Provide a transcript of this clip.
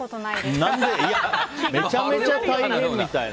めちゃめちゃ大変みたいな。